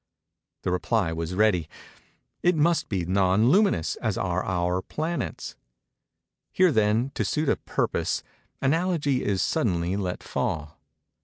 The reply was ready—"It must be non luminous, as are our planets." Here, then, to suit a purpose, analogy is suddenly let fall.